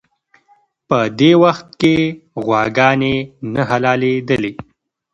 په دې وخت کې غواګانې نه حلالېدلې.